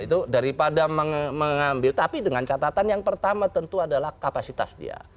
itu daripada mengambil tapi dengan catatan yang pertama tentu adalah kapasitas dia